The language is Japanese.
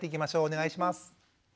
お願いします。